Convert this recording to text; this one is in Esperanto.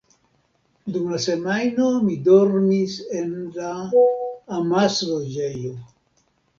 Dum la semajno, mi dormis en la “amas-loĝejo”.